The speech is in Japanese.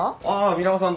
皆川さん